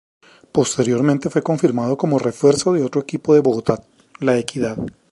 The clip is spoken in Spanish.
Posteriormente, fue confirmado como refuerzo de otro equipo de Bogotá, La Equidad.